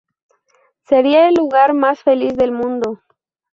Sería el lugar más feliz del mundo.